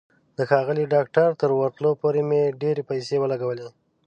د ښاغلي ډاکټر تر ورتلو پورې مې ډېرې پیسې ولګولې.